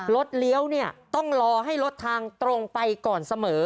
เลี้ยวเนี่ยต้องรอให้รถทางตรงไปก่อนเสมอ